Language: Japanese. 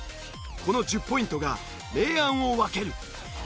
この１０ポイントが明暗を分ける。